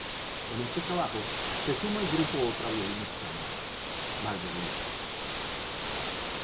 En este trabajo se suma al grupo otra violinista más, Marguerite.